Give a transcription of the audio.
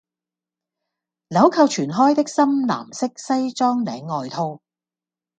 鈕扣全開的深藍色西裝領外套